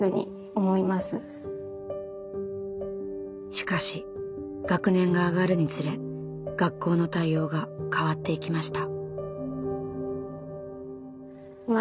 しかし学年が上がるにつれ学校の対応が変わっていきました。